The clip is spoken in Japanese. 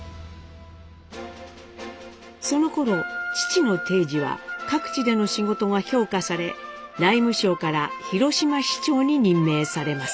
そのころ父の貞次は各地での仕事が評価され内務省から広島市長に任命されます。